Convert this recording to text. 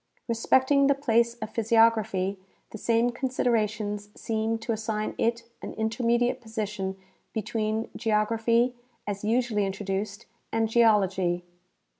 Respecting the place of physiography, the same considerations seem to assign it an intermediate position between geography, as usually introduced, and geology.